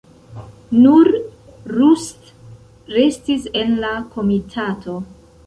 Nur Rust restis en la komitato.